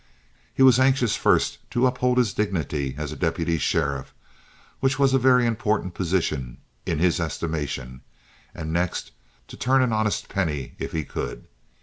He was anxious first to uphold his dignity as a deputy sheriff, which was a very important position in his estimation, and next to turn an honest penny if he could.